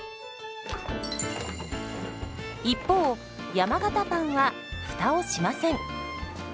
一方山型パンはフタをしません。